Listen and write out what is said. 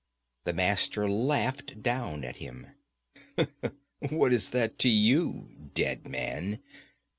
The Master laughed down at him. 'What is that to you, dead man?